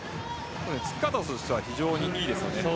つき方とすれば非常にいいですよね。